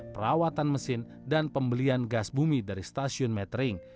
perawatan mesin dan pembelian gas bumi dari stasiun metering